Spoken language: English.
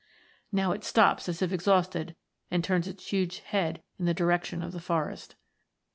Now it stops as if exhausted, and turns its huge head in the direction of the forest.